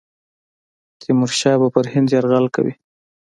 تیمورشاه به پر هند یرغل کوي.